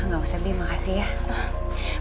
gak usah bi makasih ya